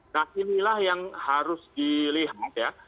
nah inilah yang harus dilihat ya